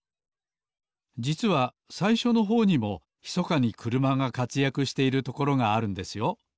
じつはさいしょのほうにもひそかにくるまがかつやくしているところがあるんですよ